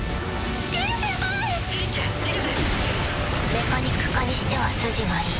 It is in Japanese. メカニック科にしては筋がいい。